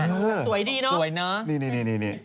สวยดีเนาะ